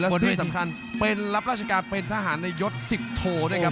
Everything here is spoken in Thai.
และสิ่งสำคัญเป็นรับราชการเป็นทหารในยศสิกโท